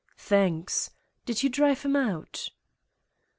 "Thanks. Did you drive him out?"